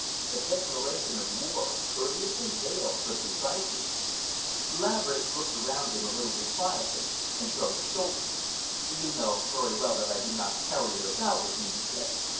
A declaration of war, courteously veiled but decisive. Laverick looked around him a little defiantly, and shrugged his shoulders. "You know very well that I do not carry it about with me," he said.